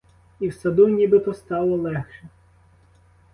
І в саду нібито стало легше.